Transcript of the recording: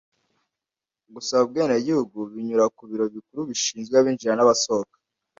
Gusaba ubwenegihugu binyura ku biro bikuru bishinzwe abinjira n'abasohoka.